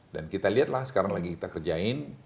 dan kita lihatlah sekarang lagi kita kerjain